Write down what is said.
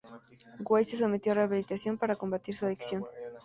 Way se sometió a rehabilitación para combatir su adicción.